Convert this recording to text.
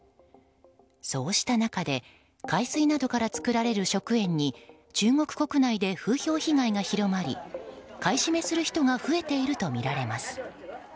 そうした中で海水などから作られる食塩に中国国内で風評被害が広まり買い占めする人が増えているとみられます。